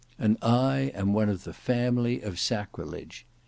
And I am one of 'the family of sacrilege.